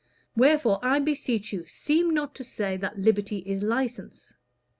Wherefore, I beseech you, seem not to say that liberty is license.